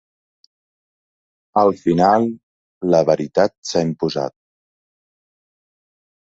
Al final, la veritat s’ha imposat.